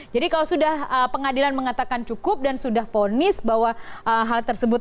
jadi kalau sudah pengadilan mengatakan cukup dan sudah ponis bahwa hal tersebut